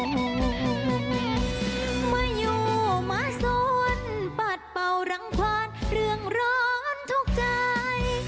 มายุมาศุลปัดเป่ารางความเรื่องร้อนทุกคน